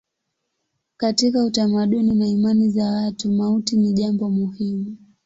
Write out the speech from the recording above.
Katika utamaduni na imani za watu mauti ni jambo muhimu.